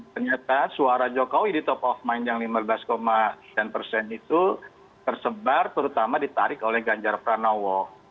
ternyata suara jokowi di top of mind yang lima belas sekian persen itu tersebar terutama ditarik oleh ganjar pranowo